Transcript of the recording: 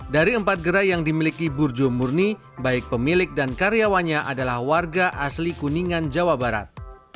dari empat gerai yang dimiliki burjo murni baik pemilik dan karyawannya adalah warga asli kuningan jawa barat